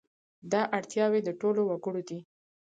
دا اړتیاوې د ټولو وګړو دي.